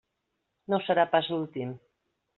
No serà pas l'últim.